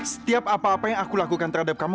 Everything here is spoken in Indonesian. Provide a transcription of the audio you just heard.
setiap apa apa yang aku lakukan terhadap kamu